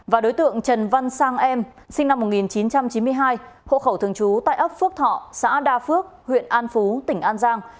và đối tượng trần văn sang em sinh năm một nghìn chín trăm chín mươi hai hộ khẩu thường trú tại ấp phước thọ xã đa phước huyện an phú tỉnh an giang